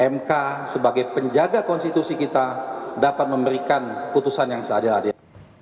mk sebagai penjaga konstitusi kita dapat memberikan putusan yang seadil adil